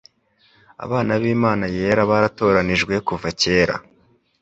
abana b'imana yera baratoranijwe kuva kera